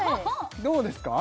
どうですか？